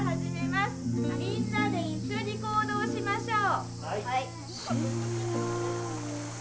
みんなで一緒に行動しましょう。